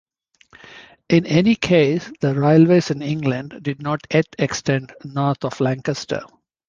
In any case the railways in England did not yet extend north of Lancaster.